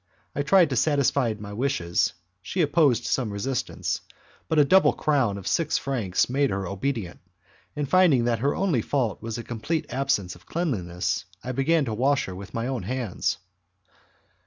I tried to satisfy my wishes, she opposed some resistance, but a double crown of six francs made her obedient, and finding that her only fault was a complete absence of cleanliness, I began to wash her with my own hands.